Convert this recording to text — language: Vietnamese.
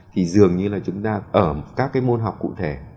thì dường như là chúng ta ở các cái môn học cụ thể